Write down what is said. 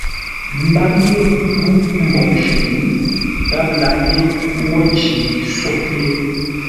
Mbap ye ghʉ́ mbǒŋ shʉʼʉ, gháp laghʼ yé ńgwó nci ńsóghʼ yé.